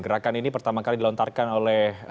gerakan ini pertama kali dilontarkan oleh